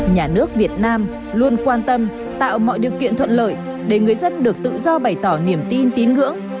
nhà nước việt nam luôn quan tâm tạo mọi điều kiện thuận lợi để người dân được tự do bày tỏ niềm tin tín ngưỡng